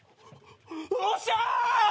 おっしゃ！